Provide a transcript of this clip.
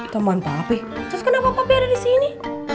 teman papih terus kenapa papih ada disini